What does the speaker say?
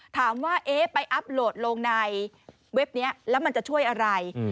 ถามว่าเอ๊ะไปอัพโหลดลงในเว็บนี้แล้วมันจะช่วยอะไร